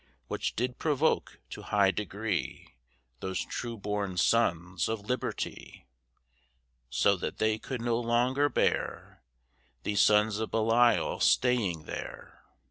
Which did provoke to high degree Those true born sons of Liberty, So that they could no longer bear Those sons of Belial staying there.